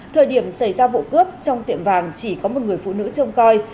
thời điểm xảy ra vụ cướp trong tiệm vàng chỉ có một người phụ nữ trông coi